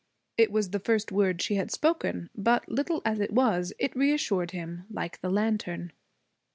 It was the first word she had spoken. But, little as it was, it reassured him, like the lantern.